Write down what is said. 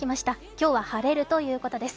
今日は晴れるということです。